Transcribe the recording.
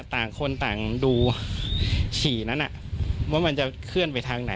ต่างคนต่างดูฉี่นั้นว่ามันจะเคลื่อนไปทางไหน